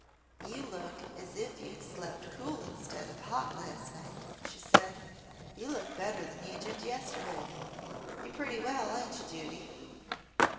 "You look as if you'd slept cool instead of hot last night," she said. "You look better than you did yesterday. You're pretty well, ain't you, Judy?"